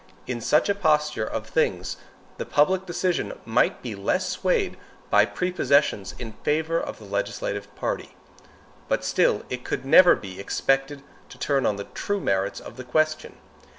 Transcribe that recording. In such a posture of things, the public decision might be less swayed by prepossessions in favor of the legislative party. But still it could never be expected to turn on the true merits of the question.